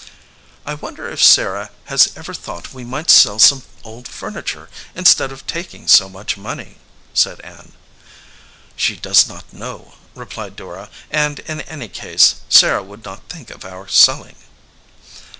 "I wonder if Sarah has ever thought we might sell some old furniture instead of taking so much money?" said Ann. "She does not know," replied Dora, "and in any case Sarah would not think of our selling."